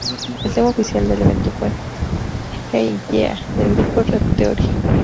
El tema oficial del evento fue ""Hell Yeah"" del grupo Rev Theory